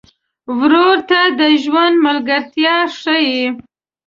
ورور ته د ژوند ملګرتیا ښيي.